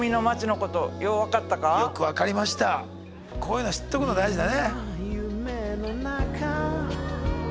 こういうのは知っとくの大事だね。